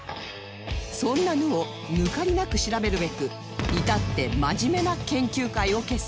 そんな「ぬ」を抜かりなく調べるべく至ってまじめな研究会を結成